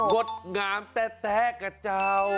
ดงามแต๊ะกับเจ้า